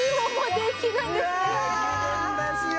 できるんですよ。